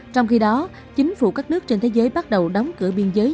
trong khi đó chính phủ các nước trên thế giới bắt đầu đóng cửa biên giới